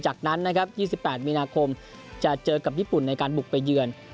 จากนั้นนะครับ๒๘มีนาคมจะเจอกับญี่ปุ่นในการบุกไปเยือน